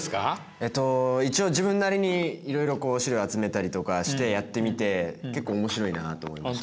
えっと一応自分なりにいろいろこう資料集めたりとかしてやってみて結構面白いなと思いました。